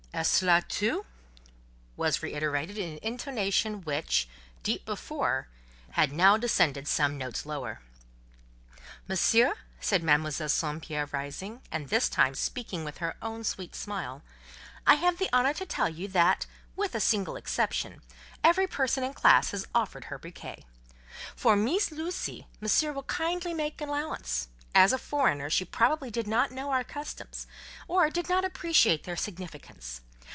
"Est ce là tout?" was reiterated in an intonation which, deep before, had now descended some notes lower. "Monsieur," said Mademoiselle St. Pierre, rising, and this time speaking with her own sweet smile, "I have the honour to tell you that, with a single exception, every person in classe has offered her bouquet. For Meess Lucie, Monsieur will kindly make allowance; as a foreigner she probably did not know our customs, or did not appreciate their significance.